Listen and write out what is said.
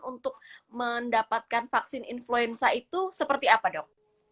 untuk mendapatkan vaksin influenza itu seperti apa dok